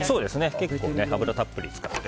結構油たっぷり使って。